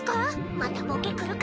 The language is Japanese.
またボケくるか！？